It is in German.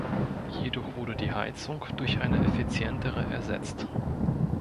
Jedoch wurde die Heizung durch eine effizientere ersetzt.